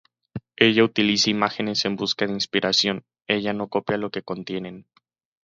Ella utiliza imágenes en busca de inspiración, ella no copia lo que contienen.